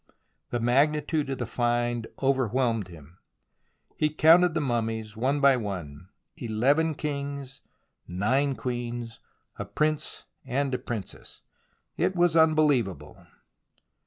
The magnitude of the find over whelmed him. He counted the mummies one by one — eleven kings, nine queens, a prince and a princess ! It was unbelievable.